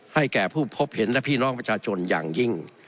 แก่ผู้พบเห็นและพี่น้องประชาชนอย่างยิ่ง